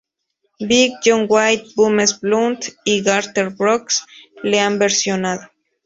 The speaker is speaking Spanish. Big, John Waite, James Blunt y Garth Brooks la han versionado.